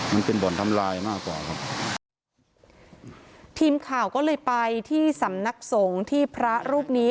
มันเป็นบ่อนทำลายมากกว่าครับทีมข่าวก็เลยไปที่สำนักสงฆ์ที่พระรูปนี้